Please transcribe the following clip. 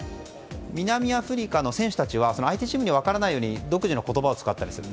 南アフリカの選手たちは相手チームに分からないように独自の言葉を使ったりする。